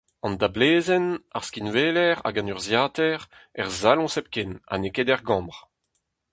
An dablezenn, ar skinweler hag an urzhiataer : er saloñs hepken, ha neket er gambr.